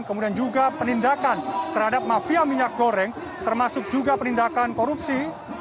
kemudian juga penindakan terhadap mafia minyak goreng termasuk juga penindakan korupsi